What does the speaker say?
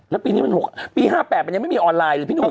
แล้วปีนี้มัน๖ปี๕๘มันยังไม่มีออนไลน์เลยพี่หนุ่ม